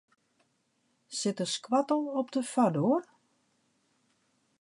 Sit de skoattel op de foardoar?